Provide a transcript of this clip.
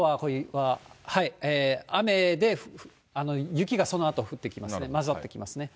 北海道は雨で、雪がそのあと降ってきますね、交ざってきますね。